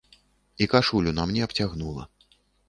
І кашулю на мне абцягнула.